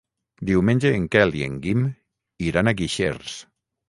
Diumenge en Quel i en Guim iran a Guixers.